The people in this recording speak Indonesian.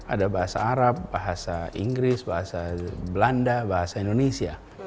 ada bahasa arab bahasa inggris bahasa belanda bahasa indonesia